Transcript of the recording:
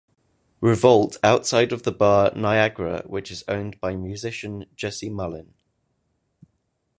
Revolt outside of the bar Niagra which is owned by musician, Jesse Malin.